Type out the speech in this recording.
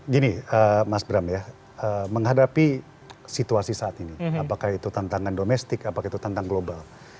gini mas bram ya menghadapi situasi saat ini apakah itu tantangan domestik apakah itu tantangan global